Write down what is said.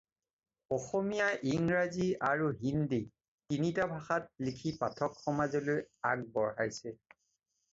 অসমীয়া, ইংৰাজী আৰু হিন্দী তিনিটা ভাষাত লিখি পাঠক সমাজলৈ আগবঢ়াইছে।